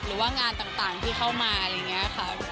หรือว่างานต่างที่เข้ามาอะไรอย่างนี้ค่ะ